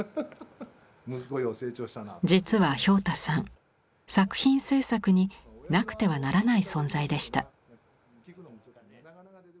実は俵多さん作品制作になくてはならない存在でした。